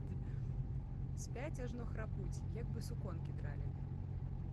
Спяць, ажно храпуць, як бы суконкі дралі.